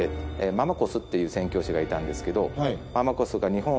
ママコスっていう宣教師がいたんですけど。